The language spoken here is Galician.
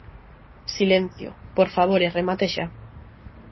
Silencio, por favor e remate xa.